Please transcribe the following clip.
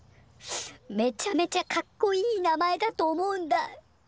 めちゃめちゃかっこいい名前だと思うんだ。